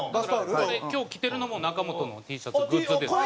これ今日着てるのも中本のＴシャツグッズです。